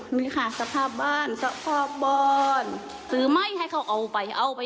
โอ้นี่ค่ะสภาพบ้านสภาพบอร์นสื่อไหมให้เขาเอาไปเอาไป